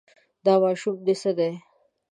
دا ماشوم دې څه دی.